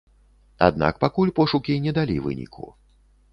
Аднак пакуль пошукі не далі выніку.